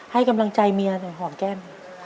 ให้กำลังใจเมียหน่อยหอมแก้ม